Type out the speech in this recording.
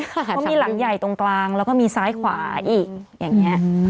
เขามีหลังใหญ่ตรงกลางแล้วก็มีซ้ายขวาอีกอย่างนี้